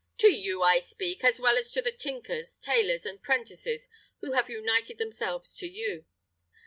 To you I speak, as well as to the tinkers, tailors, and 'prentices who have united themselves to you.